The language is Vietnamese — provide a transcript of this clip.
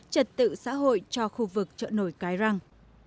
trật tự xã hội cho khu vực chợ nổi cái răng